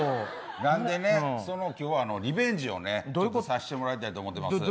なんで今日はリベンジをさしてもらいたいと思ってます。